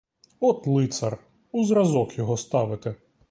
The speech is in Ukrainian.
От лицар, у зразок його ставити!